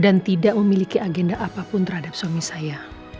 dan tidak memiliki agenda apapun terhadap suami saya